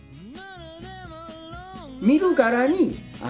見るからにあ